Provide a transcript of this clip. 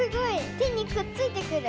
てにくっついてくる。